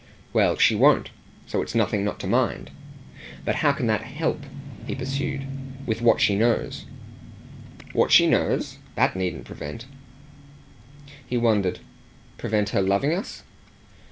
"Well, she won't so it's nothing not to mind. But how can that 'help,' " he pursued, "with what she knows?" "What she knows? That needn't prevent." He wondered. "Prevent her loving us?"